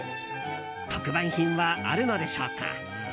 特売品はあるのでしょうか。